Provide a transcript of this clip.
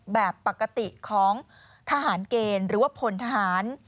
แบบปกติของทหารเกณฑ์หรือว่าพลทหาร